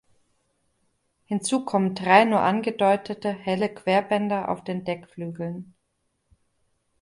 Hinzu kommen drei nur angedeutete, helle Querbänder auf den Deckflügeln.